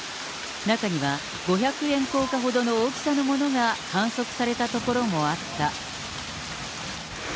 中には、五百円硬貨ほどの大きさのものが観測された所もあった。